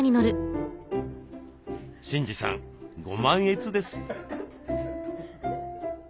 慎司さんご満悦です。